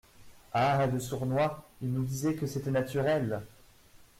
Ah ! le sournois, il nous disait que c’était naturel !…